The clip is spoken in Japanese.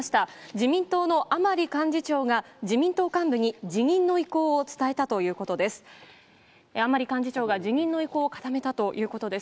自民党の甘利幹事長が、自民党幹部に、辞任の意向を伝えたということです。